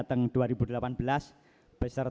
ini apakah jadi sheep